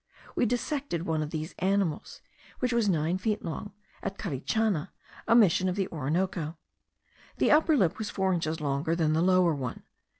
We dissected one of these animals, which was nine feet long, at Carichana, a Mission of the Orinoco. The upper lip was four inches longer than the lower one.